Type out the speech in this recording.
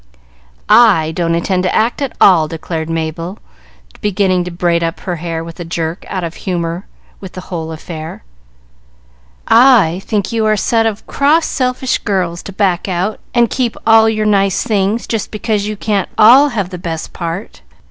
"I don't intend to act at all!" declared Mabel, beginning to braid up her hair with a jerk, out of humor with the whole affair. "I think you are a set of cross, selfish girls to back out and keep your nice things just because you can't all have the best part.